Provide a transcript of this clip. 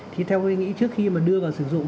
thì theo tôi nghĩ trước khi mà đưa vào sử dụng